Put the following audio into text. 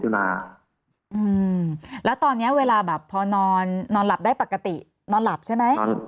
แล้วตอนนี้เวลาแบบพอนอนนอนหลับได้ปกตินอนหลับใช่ไหม